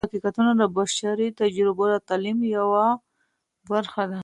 د تاریخی حقیقتونه د بشري تجربو د تعلیم یوه برخه ده.